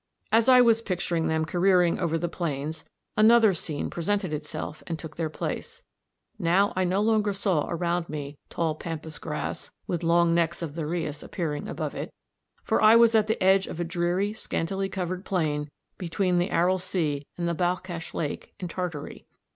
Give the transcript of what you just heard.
As I was picturing them careering over the plains, another scene presented itself and took their place. Now I no longer saw around me tall pampas grass with the long necks of the rheas appearing above it, for I was on the edge of a dreary scantily covered plain between the Aral Sea and the Balkash Lake in Tartary.